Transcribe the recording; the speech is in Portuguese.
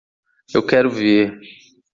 Eu quero ver